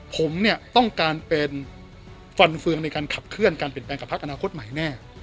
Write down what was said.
ผมเนี่ยต้องการเป็นฟันเฟืองในการขับเคลื่อนการเปลี่ยนแปลงกับพักอนาคตใหม่แน่